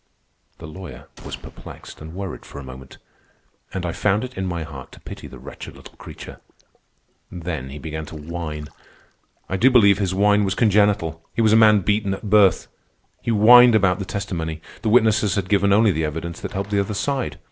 The lawyer was perplexed and worried for a moment, and I found it in my heart to pity the wretched little creature. Then he began to whine. I do believe his whine was congenital. He was a man beaten at birth. He whined about the testimony. The witnesses had given only the evidence that helped the other side.